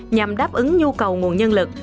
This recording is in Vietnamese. nhằm đáp ứng nhu cầu nguồn nhân lực